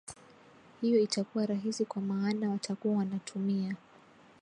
hiyo itakuwa rahisi kwa maana watakuwa wanatumia